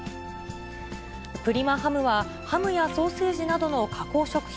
プリマハムは、ハムやソーセージなどの加工食品